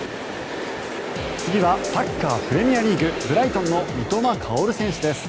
次はサッカープレミアリーグブライトンの三笘薫選手です。